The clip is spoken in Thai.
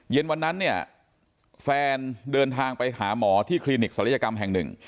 เย็นวันนั้นเนี่ยแฟนเดินทางไปหาหมอที่คลินิกศัลยกรรมแห่งหนึ่ง